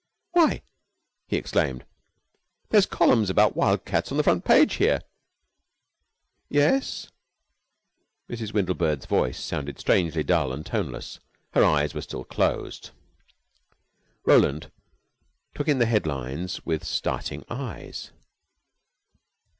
"Why!" he exclaimed. "There's columns about Wild cats on the front page here!" "Yes?" Mrs. Windlebird's voice sounded strangely dull and toneless. Her eyes were still closed. Roland took in the headlines with starting eyes.